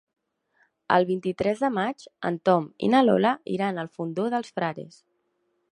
El vint-i-tres de maig en Tom i na Lola iran al Fondó dels Frares.